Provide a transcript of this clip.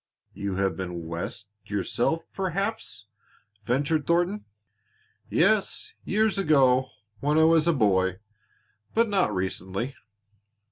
"You have been West yourself, perhaps," ventured Thornton. "Yes, years ago when I was a boy; but not recently."